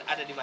ada di mana